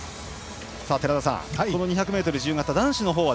寺田さん、２００ｍ自由形男子のほうは。